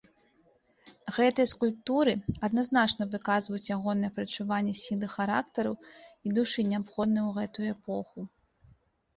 Гэтыя скульптуры адназначна выказваюць ягонае прадчуванне сілы характару і душы, неабходнай у гэтую эпоху.